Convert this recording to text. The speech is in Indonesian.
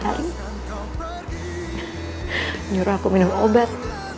nyuruh aku minum obat